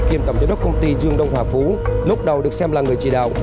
kiêm tổng giám đốc công ty dương đông hòa phú lúc đầu được xem là người chỉ đạo